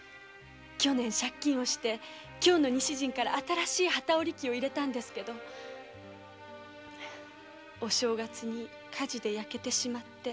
去年借金して京の西陣から新しい機織り機を入れたのですがお正月に火事で焼けてしまって。